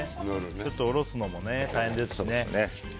ちょっと下ろすのも大変ですしね。